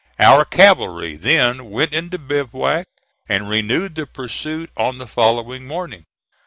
Our cavalry then went into bivouac, and renewed the pursuit on the following morning.